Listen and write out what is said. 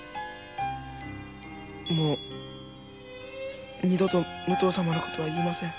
もう二度と武藤様のことは言いません。